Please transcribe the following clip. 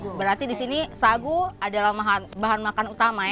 berarti di sini sagu adalah bahan makan utama ya